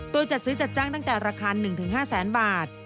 ตัวจัดซื้อจัดจ้างตั้งแต่ราคาหนึ่งถึงห้าแสนบาท